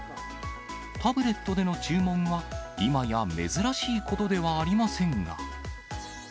タブレットでの注文は、今や珍しいことではありませんが。